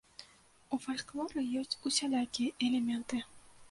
У фальклоры ёсць усялякія элементы.